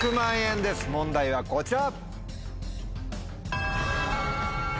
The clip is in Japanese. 問題はこちら。